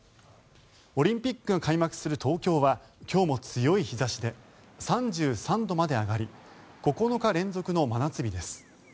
オリンピックが開幕する東京は今日も強い日差しで３３度まで上がり９日連続の真夏日です。